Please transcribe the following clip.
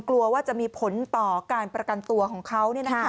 กลัวว่าจะมีผลต่อการประกันตัวของเขา